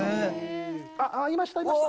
あっ、いました、いました。